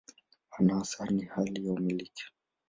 Maana hasa ni hali ya "umiliki".